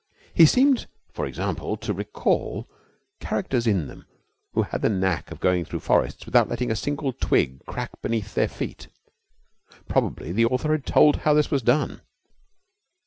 He seemed, for example, to recall characters in them who had the knack of going through forests without letting a single twig crack beneath their feet. Probably the author had told how this was done.